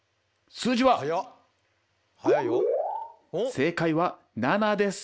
「正解は７です。